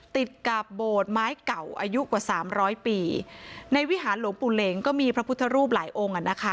ติดกับโบสถ์ไม้เก่าอายุกว่าสามร้อยปีในวิหารหลวงปู่เหลงก็มีพระพุทธรูปหลายองค์อ่ะนะคะ